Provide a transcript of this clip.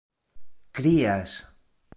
krias